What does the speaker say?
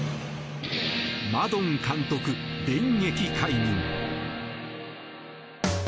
マドン監督、電撃解任。